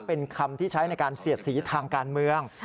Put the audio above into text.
เป็นคำที่ใช้ในการเสียดสีทางการเมือง